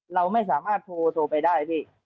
เราไม่สามารถโทรไปได้พี่